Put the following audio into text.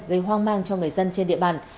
gây hoang mang cho người dân trên địa bàn